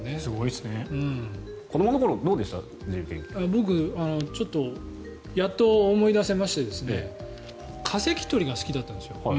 僕、ちょっとやっと思い出せまして化石取りが好きだったんですよ。